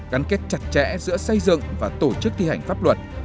gắn kết chặt chẽ giữa xây dựng và tổ chức thi hành pháp luật